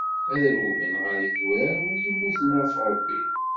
Ad trewlem ɣer yidurar, win yemmuten ɣef Ṛebbi.